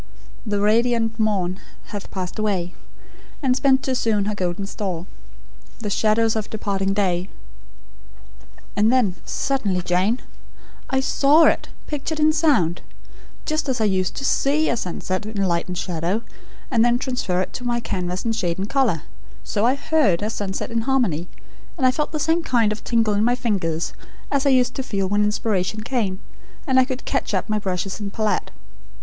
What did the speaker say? "'The radiant morn hath passed away, And spent too soon her golden store; The shadows of departing day '" "And then suddenly, Jane I SAW it, pictured in sound! Just as I used to SEE a sunset, in light and shadow, and then transfer it to my canvas in shade and colour, so I heard a SUNSET in harmony, and I felt the same kind of tingle in my fingers as I used to feel when inspiration came, and I could catch up my brushes and palette.